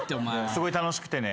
すごい楽しくてね。